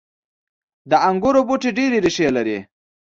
• د انګورو بوټي ډیرې ریښې لري.